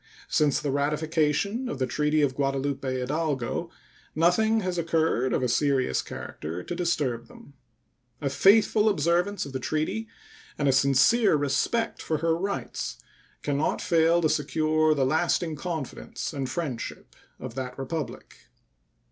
Since the ratification of the treaty of Guadalupe Hidalgo nothing has occurred of a serious character to disturb them. A faithful observance of the treaty and a sincere respect for her rights can not fail to secure the lasting confidence and friendship of that Republic.